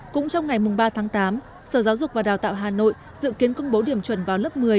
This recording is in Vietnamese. cũng trong ngày ba tháng tám sở giáo dục và đào tạo hà nội dự kiến công bố điểm chuẩn vào lớp một mươi